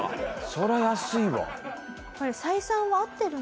そりゃ安いわ。